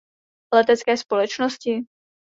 Letecké společnosti?